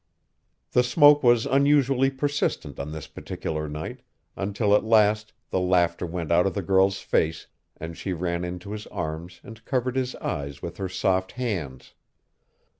The smoke was unusually persistent on this particular night, until at last the laughter went out of the girl's face, and she ran into his arms and covered his eyes with her soft hands.